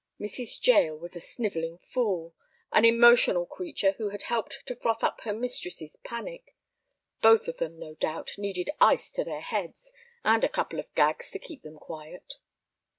Mrs. Jael was a snivelling fool, an emotional creature who had helped to froth up her mistress's panic. Both of them, no doubt, needed ice to their heads, and a couple of gags to keep them quiet.